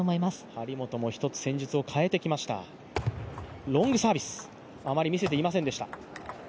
張本も１つ戦術を変えてきました、ロングサービス、あまり見せていませんでした。